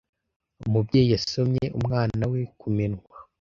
Umubyeyi yasomye umwana we ku minwa.